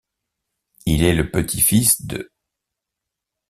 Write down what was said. Il est le petit-fils d'.